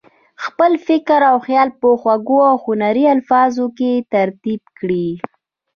خپل فکر او خیال په خوږو او هنري الفاظو کې ترتیب کړي.